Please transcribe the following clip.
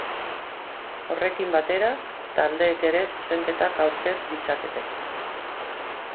Horrekin batera, taldeek ere zuzenketak aurkez ditzakete.